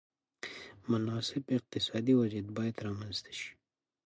مناسب اقتصادي وضعیت باید رامنځته شي.